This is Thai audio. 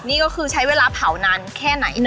นี่ก็คือใช้เวลาเผานานแค่ไหน